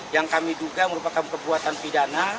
yang kami duga merupakan perbuatan pidana